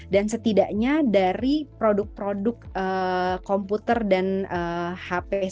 dan setidaknya dari produk produk komputer dan hp